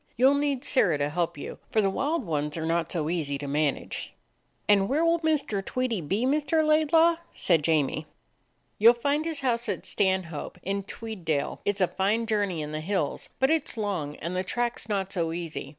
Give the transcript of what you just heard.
You 'll need Sirrah to help you, for the wild ones are not so easy to man age." "And where will Mr. Tweedie be, Mr. Laid law?" said Jamie. "You 'll find his house at Stanhope, in Tweeddale. It 's a fine journey in the hills, but it 's long, and the track is not so easy.